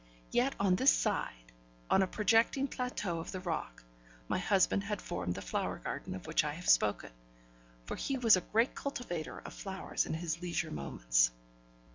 Yet on this side on a projecting plateau of the rock my husband had formed the flower garden of which I have spoken; for he was a great cultivator of flowers in his leisure moments.